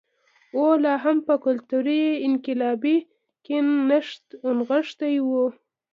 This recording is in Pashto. هوا لا هم په کلتوري انقلاب کې نښتی و.